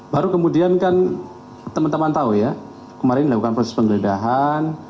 baru kemudian kan teman teman tahu ya kemarin dilakukan proses penggeledahan